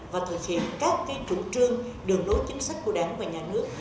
và thực hiện các cái chủ trương đường đối chính sách của đảng và nhà nước